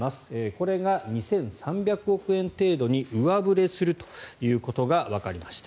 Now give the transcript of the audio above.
これが２３００億円程度に上振れするということがわかりました。